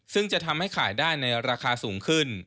ซึ่งจะทำให้ขายได้ในราคาสูงขึ้น